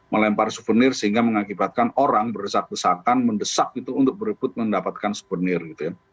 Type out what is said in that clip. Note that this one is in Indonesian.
melempar souvenir sehingga mengakibatkan orang berdesak desakan mendesak gitu untuk berebut mendapatkan souvenir gitu ya